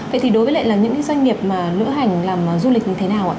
vậy thì đối với lại là những cái doanh nghiệp mà lữ hành làm du lịch như thế nào ạ